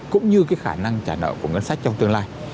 cũng như cái khả năng trả nợ của ngân sách trong tương lai